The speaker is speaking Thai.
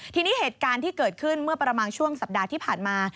ทีนี้เหตุการณ์ที่เกิดขึ้นเมื่อประมาณช่วงสัปดาห์ที่ผ่านมา